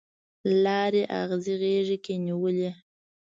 لارې اغزي غیږ کې نیولي